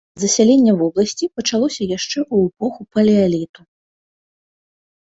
Засяленне вобласці пачалося яшчэ ў эпоху палеаліту.